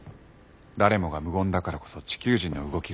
誰もが無言だからこそ地球人の動きが読めない。